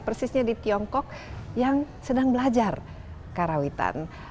persisnya di tiongkok yang sedang belajar karawitan